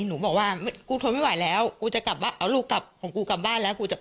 หนูบอกว่ากูทนไม่ไหวแล้วเอาลูกของกูกลับบ้านแล้ว